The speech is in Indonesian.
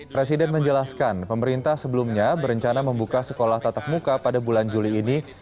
presiden menjelaskan pemerintah sebelumnya berencana membuka sekolah tatap muka pada bulan juli ini